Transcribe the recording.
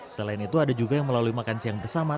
selain itu ada juga yang melalui makan siang bersama